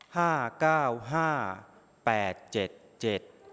ห้าเก้าห้าแปดเจ็ดเจ็ด